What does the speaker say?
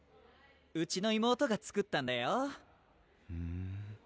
うちの妹が作ったんだよふん